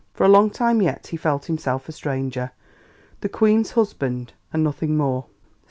For a long time yet he felt himself a stranger, the Queen's husband and nothing more.